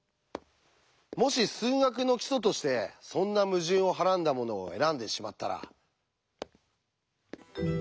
もし数学の基礎としてそんな矛盾をはらんだものを選んでしまったら。